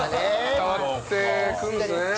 伝わってくるんですね。